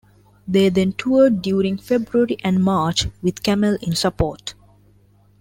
They then toured during February and March with Camel in support.